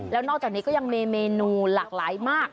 แล้วนอกจากนี้ก็ยังมีเมนูหลากหลายมาก